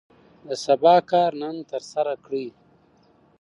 د سبا کار نن ترسره کړئ.